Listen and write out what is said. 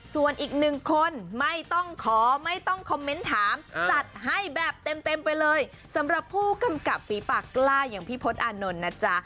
ส่วนอีกหนึ่งคนไม่ต้องขอไม่ต้องคอมเมนต์ถามจัดให้แบบเต็มไปเลยสำหรับผู้กำกับฝีปากกล้าอย่างพี่พศอานนท์นะจ๊ะ